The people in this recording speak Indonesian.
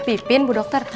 pipin bu dokter